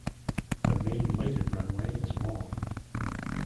The main lighted runway is long.